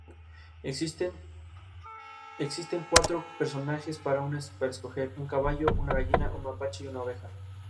En varias regiones europeas se usa para elaborar una panceta especial.